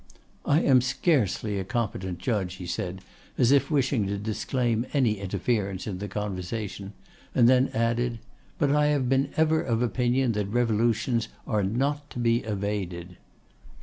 'I am scarcely a competent judge,' he said, as if wishing to disclaim any interference in the conversation, and then added, 'but I have been ever of opinion that revolutions are not to be evaded.